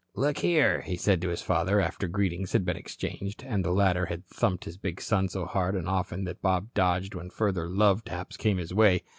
"Look here," he said to his father, after greetings had been exchanged, and the latter had thumped his big son so hard and often that Bob dodged when further "love taps" came his way.